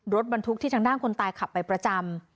รถบรรทุกที่ทางด้านคนตายขับไปประจำ